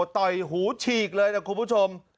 ต่อยหูฉีกเลยนะคุณผู้ชม